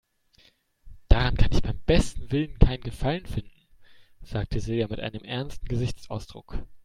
Daran kann ich beim besten Willen keinen Gefallen finden, sagte Silja mit einem ernsten Gesichtsausdruck.